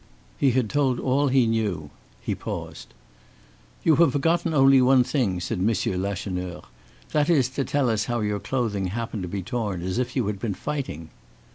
He had told all he knew. He paused. "You have forgotten only one thing," said M. Lacheneur; "that is, to tell us how your clothing happened to be torn, as if you had been fighting."